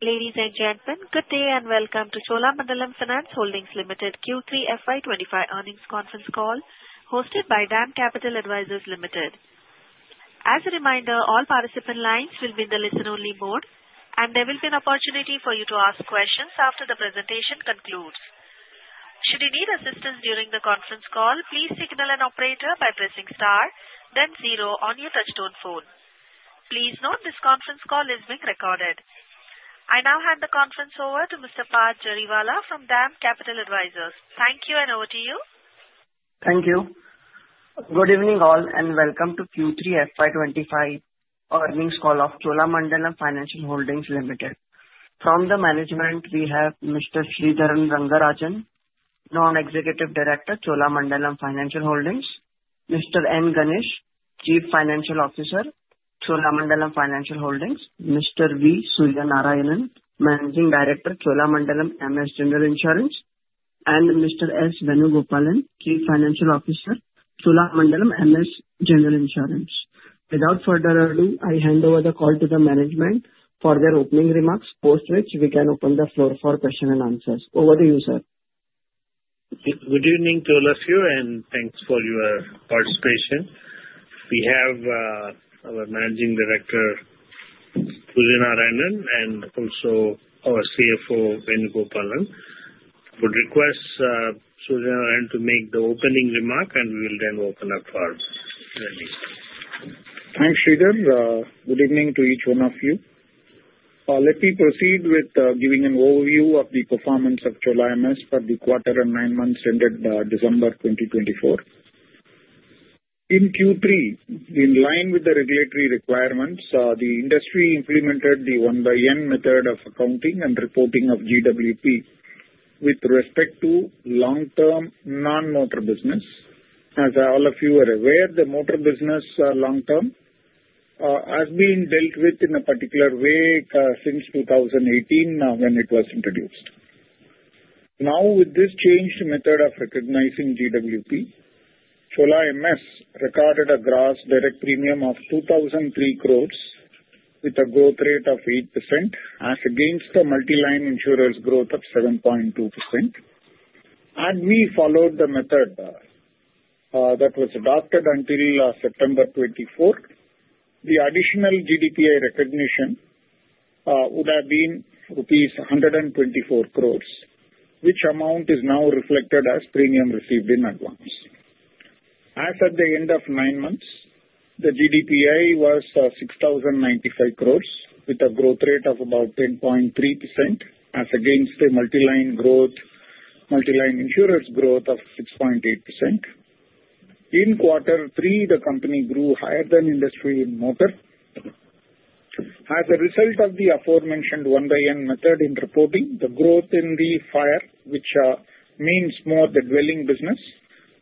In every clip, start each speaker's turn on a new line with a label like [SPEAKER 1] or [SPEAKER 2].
[SPEAKER 1] Ladies and gentlemen, good day and welcome to Cholamandalam Financial Holdings Limited Q3 FY 2025 earnings conference call, hosted by DAM Capital Advisors Limited. As a reminder, all participant lines will be in the listen-only mode, and there will be an opportunity for you to ask questions after the presentation concludes. Should you need assistance during the conference call, please signal an operator by pressing star, then zero on your touch-tone phone. Please note this conference call is being recorded. I now hand the conference over to Mr. Parth Jariwala from DAM Capital Advisors. Thank you, and over to you.
[SPEAKER 2] Thank you. Good evening all, and welcome to Q3 FY 2025 earnings call of Cholamandalam Financial Holdings Limited. From the management, we have Mr. Sridharan Rangarajan, Non-Executive Director, Cholamandalam Financial Holdings. Mr. N. Ganesh, Chief Financial Officer, Cholamandalam Financial Holdings. Mr. V. Suryanarayanan, Managing Director, Cholamandalam MS General Insurance. And Mr. S. Venugopalan, Chief Financial Officer, Cholamandalam MS General Insurance. Without further ado, I hand over the call to the management for their opening remarks, post which we can open the floor for questions and answers. Over to you, sir.
[SPEAKER 3] Good evening to all of you, and thanks for your participation. We have our Managing Director, Suryanarayanan, and also our CFO, Venugopalan. I would request Suryanarayanan to make the opening remark, and we will then open up for Q&A.
[SPEAKER 4] Thanks, Sridhar. Good evening to each one of you. Let me proceed with giving an overview of the performance of Chola MS for the quarter and nine months ended December 2024. In Q3, in line with the regulatory requirements, the industry implemented the 1/n method of accounting and reporting of GWP with respect to long-term non-motor business. As all of you are aware, the motor business long-term has been dealt with in a particular way since 2018 when it was introduced. Now, with this changed method of recognizing GWP, Chola MS recorded a gross direct premium of 2,003 crores with a growth rate of 8% against the multi-line insurers' growth of 7.2%. As we followed the method that was adopted until September 2024, the additional GDPI recognition would have been rupees 124 crores, which amount is now reflected as premium received in advance. As at the end of nine months, the GDPI was 6,095 crores with a growth rate of about 10.3% against the multi-line insurers' growth of 6.8%. In quarter three, the company grew higher than industry in motor. As a result of the aforementioned 1/n method in reporting, the growth in the fire, which means more the dwelling business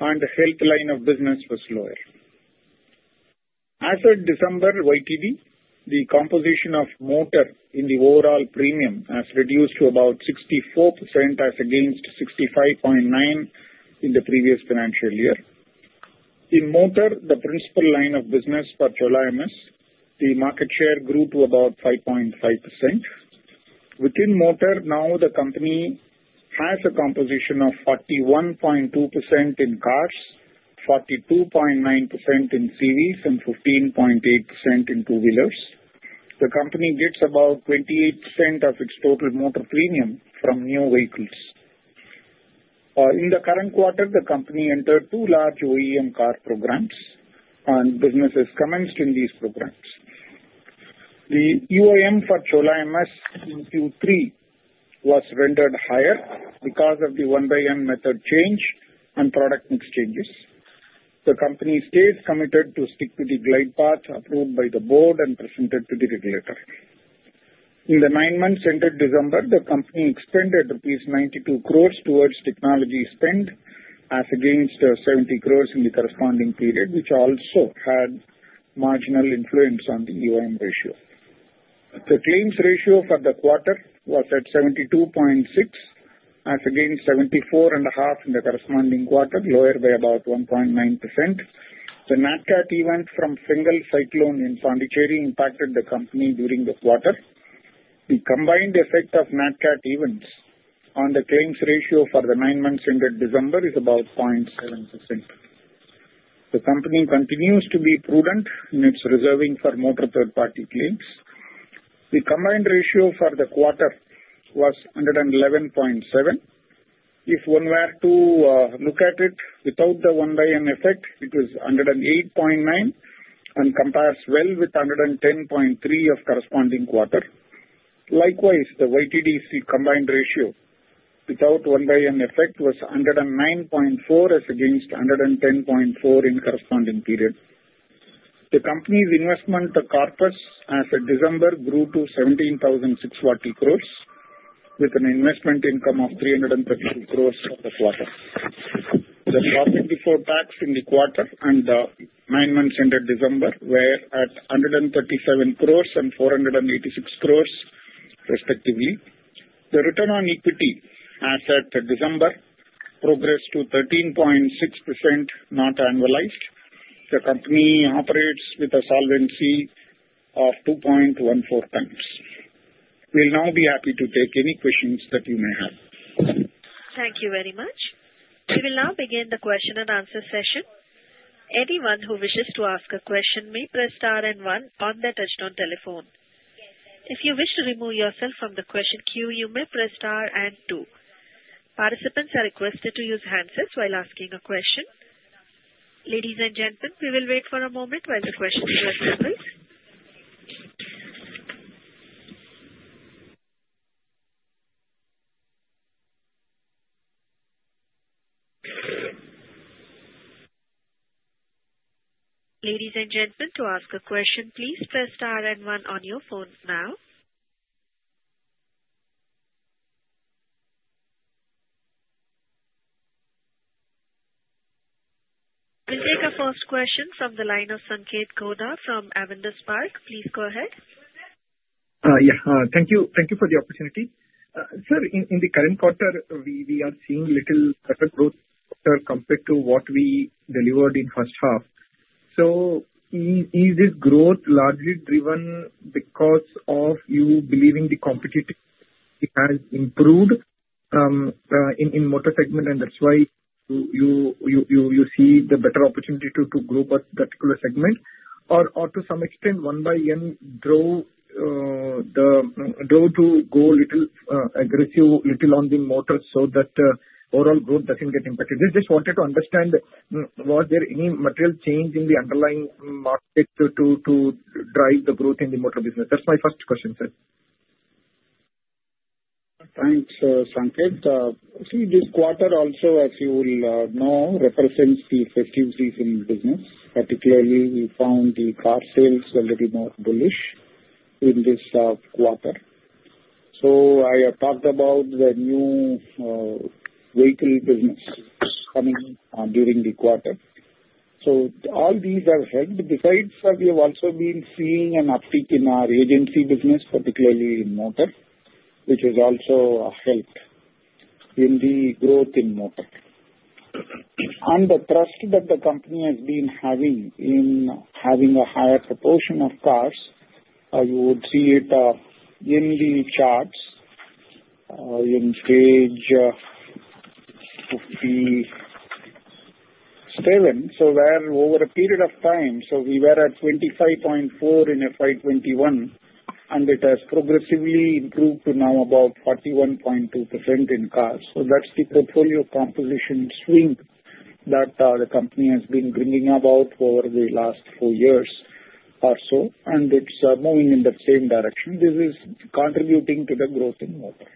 [SPEAKER 4] and the health line of business, was lower. As of December YTD, the composition of motor in the overall premium has reduced to about 64% against 65.9% in the previous financial year. In motor, the principal line of business for Chola MS, the market share grew to about 5.5%. Within motor, now the company has a composition of 41.2% in cars, 42.9% in CVs, and 15.8% in two-wheelers. The company gets about 28% of its total motor premium from new vehicles. In the current quarter, the company entered two large OEM car programs, and businesses commenced in these programs. The EOM for Chola MS in Q3 was rendered higher because of the 1/n method change and product mix changes. The company stays committed to stick to the glide path approved by the board and presented to the regulator. In the nine months ended December, the company expended rupees 92 crores towards technology spend as against 70 crores in the corresponding period, which also had marginal influence on the EOM ratio. The claims ratio for the quarter was at 72.6% as against 74.5% in the corresponding quarter, lower by about 1.9%. The NatCat event from Fengal Cyclone in Pondicherry impacted the company during the quarter. The combined effect of Natcat events on the claims ratio for the nine months ended December is about 0.7%. The company continues to be prudent in its reserving for motor third-party claims. The combined ratio for the quarter was 111.7%. If one were to look at it without the 1/n effect, it was 108.9% and compares well with 110.3% of corresponding quarter. Likewise, the YTD combined ratio without 1/n effect was 109.4% as against 110.4% in corresponding period. The company's investment corpus as of December grew to 17,006 crores with an investment income of 332 crores for the quarter. The profit before tax in the quarter and the nine months ended December were at 137 crores and 486 crores, respectively. The return on equity as at December progressed to 13.6% not annualized. The company operates with a solvency of 2.14x. We'll now be happy to take any questions that you may have.
[SPEAKER 1] Thank you very much. We will now begin the question-and-answer session. Anyone who wishes to ask a question may press star and one on their touch-tone telephone. If you wish to remove yourself from the question queue, you may press star and two. Participants are requested to use handsets while asking a question. Ladies and gentlemen, we will wait for a moment while the questions are answered, please. Ladies and gentlemen, to ask a question, please press star and one on your phones now. We'll take a first question from the line of Sanketh Godha from Avendus Spark. Please go ahead.
[SPEAKER 5] Yeah. Thank you for the opportunity. Sir, in the current quarter, we are seeing little better growth compared to what we delivered in first half. So is this growth largely driven because of you believing the competition has improved in motor segment, and that's why you see the better opportunity to grow particular segment? Or to some extent, 1/n growth to go a little aggressive, little on the motor so that overall growth doesn't get impacted? Just wanted to understand, was there any material change in the underlying market to drive the growth in the motor business? That's my first question, sir.
[SPEAKER 4] Thanks, Sanketh. See, this quarter also, as you will know, represents the festivities in business. Particularly, we found the car sales a little more bullish in this quarter. So I have talked about the new vehicle business coming during the quarter. So all these have helped. Besides, we have also been seeing an uptick in our agency business, particularly in motor, which has also helped in the growth in motor. And the thrust that the company has been having in having a higher proportion of cars, you would see it in the charts in Slide 57. So over a period of time, so we were at 25.4% in FY 2021, and it has progressively improved to now about 41.2% in cars. So that's the portfolio composition swing that the company has been bringing about over the last four years or so, and it's moving in the same direction. This is contributing to the growth in motor.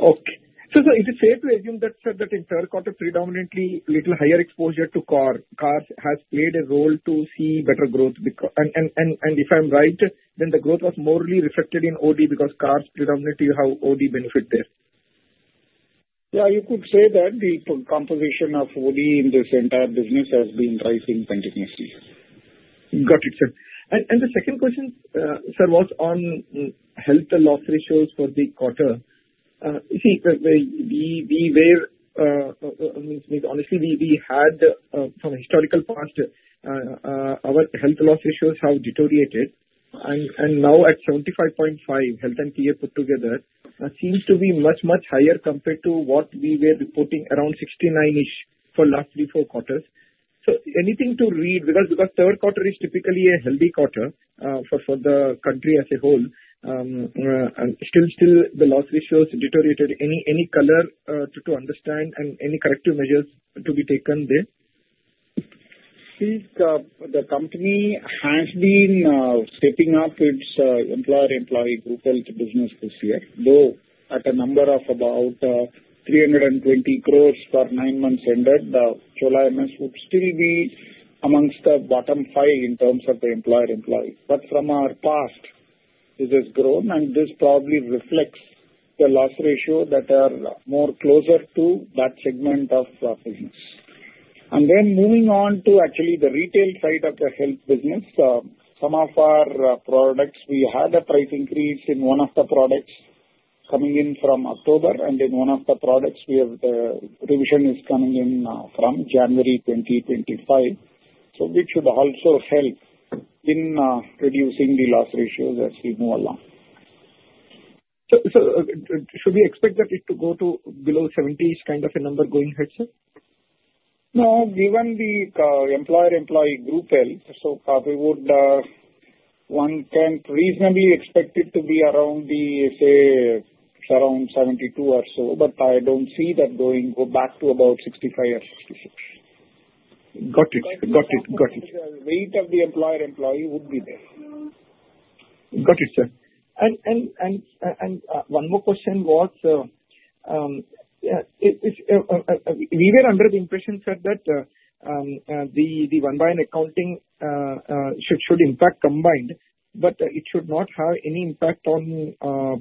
[SPEAKER 5] Okay. So is it fair to assume that in third quarter, predominantly little higher exposure to cars has played a role to see better growth? And if I'm right, then the growth was mainly reflected in OD because cars predominantly have OD benefit there.
[SPEAKER 4] Yeah, you could say that the composition of OD in this entire business has been rising continuously.
[SPEAKER 5] Got it, sir. And the second question, sir, was on health loss ratios for the quarter. See, we were, honestly, we had from a historical past, our health loss ratios have deteriorated. And now at 75.5%, health and PA put together, seems to be much, much higher compared to what we were reporting, around 69%-ish for last three or four quarters. So anything to read? Because third quarter is typically a healthy quarter for the country as a whole. Still, the loss ratios deteriorated. Any color to understand and any corrective measures to be taken there?
[SPEAKER 4] See, the company has been stepping up its employer-employee group health business this year. Though at a number of about 320 crores for nine months ended, Chola MS would still be among the bottom five in terms of the employer-employee. But from our past, this has grown, and this probably reflects the loss ratio that are more closer to that segment of business. And then moving on to actually the retail side of the health business, some of our products, we had a price increase in one of the products coming in from October, and in one of the products, we have the revision is coming in from January 2025. So which should also help in reducing the loss ratios as we move along.
[SPEAKER 5] So should we expect that it to go to below 70% is kind of a number going ahead, sir?
[SPEAKER 4] No, given the employer-employee group health, so we would reasonably expect it to be around the, say, around 72% or so, but I don't see that going back to about 65% or 66%.
[SPEAKER 5] Got it. Got it. Got it.
[SPEAKER 4] The weight of the employer-employee would be there. Got it, sir.
[SPEAKER 5] And one more question was, we were under the impression, sir, that the 1/n accounting should impact combined, but it should not have any impact on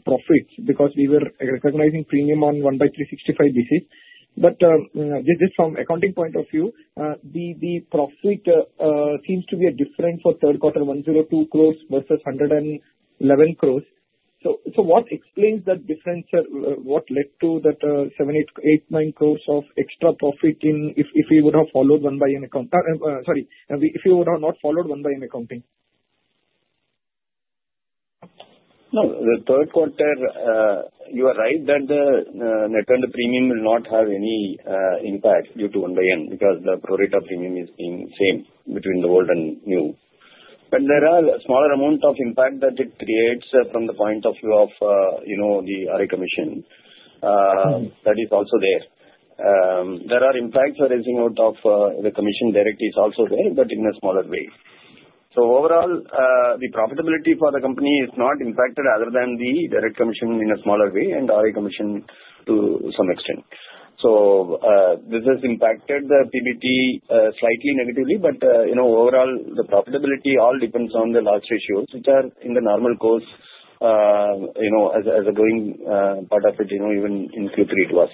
[SPEAKER 5] profits because we were recognizing premium on 1/365 basis. But just from accounting point of view, the profit seems to be a different for third quarter, 102 crores versus 111 crores. So what explains that difference, sir? What led to that 789 crores of extra profit if we would have followed 1/n account? Sorry, if you would have not followed 1/n accounting?
[SPEAKER 6] No, the third quarter, you are right that the net and the premium will not have any impact due to 1/n because the prorata premium is being same between the old and new. But there are smaller amounts of impact that it creates from the point of view of the RI commission that is also there. There are impacts arising out of the commission direct is also there, but in a smaller way. So overall, the profitability for the company is not impacted other than the direct commission in a smaller way and RI commission to some extent. So this has impacted the PBT slightly negatively, but overall, the profitability all depends on the loss ratios, which are in the normal course as a going part of it, even in Q3 it was.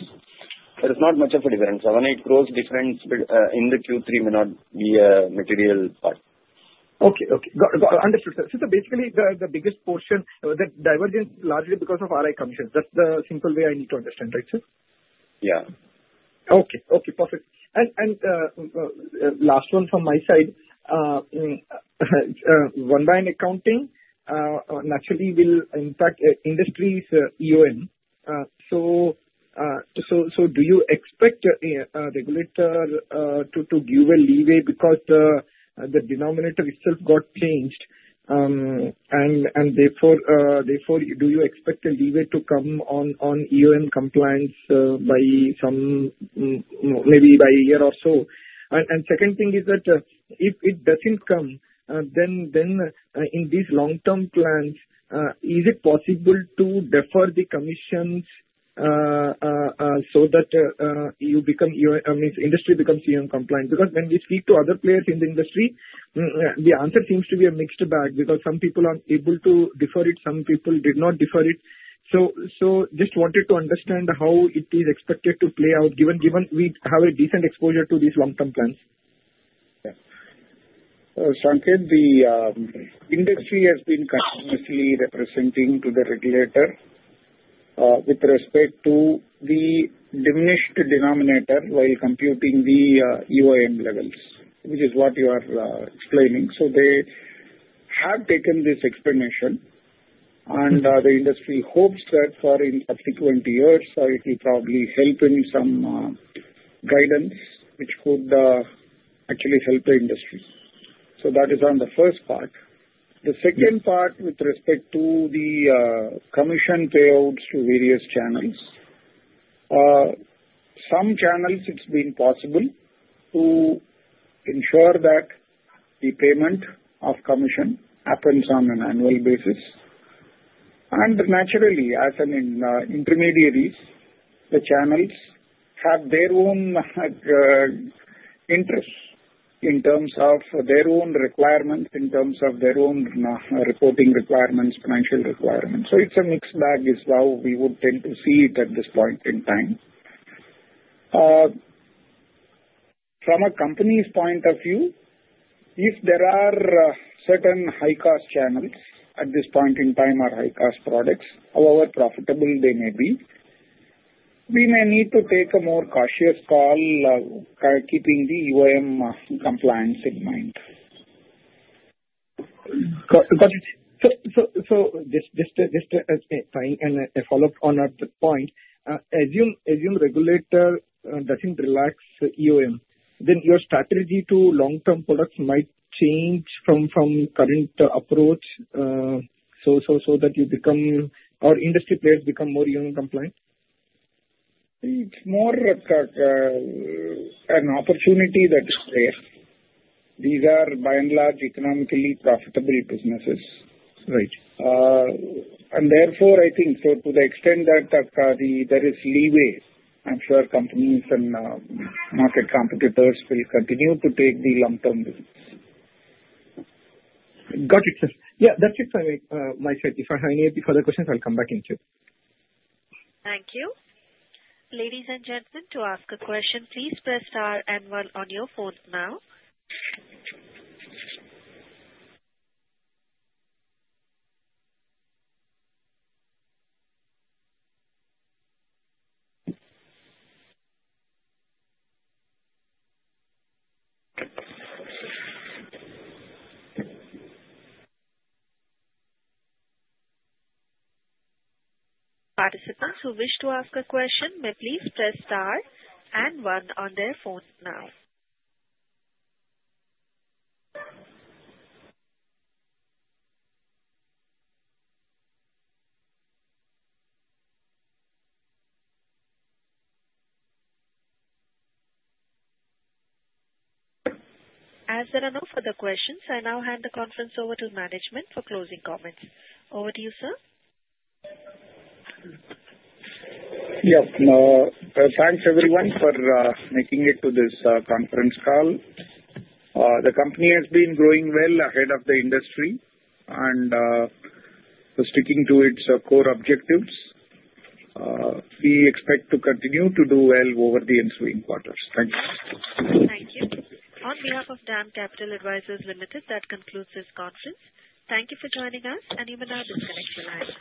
[SPEAKER 6] There is not much of a difference, 78 crores difference in the Q3 may not be a material part.
[SPEAKER 5] Okay. Understood, sir. So basically, the biggest portion, the divergence largely because of RI commission. That's the simple way I need to understand, right, sir?
[SPEAKER 6] Yeah.
[SPEAKER 5] Okay. Perfect. And last one from my side, 1/n accounting naturally will impact industry's EOM. So do you expect a regulator to give a leeway because the denominator itself got changed? And therefore, do you expect a leeway to come on EOM compliance maybe by a year or so? And second thing is that if it doesn't come, then in these long-term plans, is it possible to defer the commissions so that you become, I mean, industry becomes EOM compliant? Because when we speak to other players in the industry, the answer seems to be a mixed bag because some people are able to defer it, some people did not defer it. So just wanted to understand how it is expected to play out given we have a decent exposure to these long-term plans.
[SPEAKER 4] Yeah. Sanketh, the industry has been continuously representing to the regulator with respect to the diminished denominator while computing the EOM levels, which is what you are explaining. So they have taken this explanation, and the industry hopes that, in subsequent years, it will probably help in some guidance, which could actually help the industry. So that is on the first part. The second part with respect to the commission payouts to various channels. Some channels, it's been possible to ensure that the payment of commission happens on an annual basis. And naturally, as an intermediary, the channels have their own interests in terms of their own requirements, in terms of their own reporting requirements, financial requirements. So it's a mixed bag is how we would tend to see it at this point in time. From a company's point of view, if there are certain high-cost channels at this point in time or high-cost products, however profitable they may be, we may need to take a more cautious call keeping the EOM compliance in mind.
[SPEAKER 5] Got it. So just as a follow-up on that point, as your regulator doesn't relax EOM, then your strategy to long-term products might change from current approach so that you become or industry players become more EOM compliant?
[SPEAKER 4] It's more an opportunity that is there. These are by and large economically profitable businesses. Therefore, I think so to the extent that there is leeway, I'm sure companies and market competitors will continue to take the long-term business.
[SPEAKER 5] Got it, sir. Yeah, that's it for my side. If I have any further questions, I'll come back in queue.
[SPEAKER 1] Thank you. Ladies and gentlemen, to ask a question, please press star and one on your phones now. Participants who wish to ask a question may please press star and one on their phone now. As there are no further questions, I now hand the conference over to management for closing comments. Over to you, sir.
[SPEAKER 4] Yep. Thanks, everyone, for making it to this conference call. The company has been growing well ahead of the industry and sticking to its core objectives. We expect to continue to do well over the ensuing quarters. Thank you.
[SPEAKER 1] Thank you. On behalf of DAM Capital Advisors Limited, that concludes this conference. Thank you for joining us, and you may now disconnect the line.